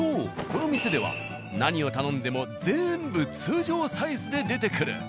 この店では何を頼んでも全部通常サイズで出てくる。